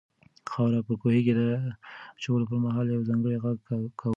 خاوره په کوهي کې د اچولو پر مهال یو ځانګړی غږ کاوه.